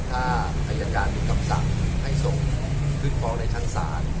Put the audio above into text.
ถ้าอายการมีคำสั่งให้ส่งขึ้นฟ้องในชั้นศาล